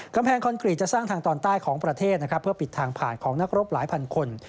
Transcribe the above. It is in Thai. คอนกรีตจะสร้างทางตอนใต้ของประเทศนะครับเพื่อปิดทางผ่านของนักรบหลายพันคน